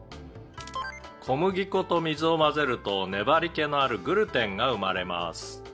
「小麦粉と水を混ぜると粘り気のあるグルテンが生まれます」